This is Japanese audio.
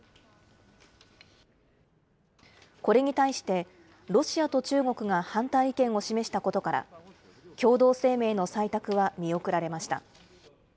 これに対してロシアと中国が反対意見を示したことから、共同声明の採択は見送られました。